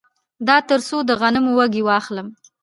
دا تر څو د غنمو وږي واخلم